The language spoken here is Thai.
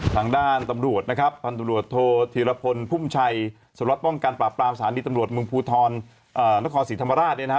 ข้างด้านนะครับทางธนตรวจโทษธีรพลพุ่มชัยสตรวจป้องกันปราบปรามสถานีธนตรวจมืองภูทรนครศรีธรรมราชนะฮะ